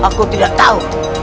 aku tidak tahu